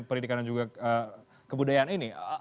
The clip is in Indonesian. ketua kebudayaan ini